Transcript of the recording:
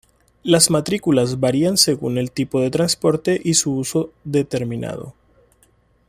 Las matrículas varían según el tipo de transporte y su uso determinado.